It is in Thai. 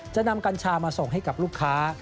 จะนำกัญชามาส่งให้กับลูกค้า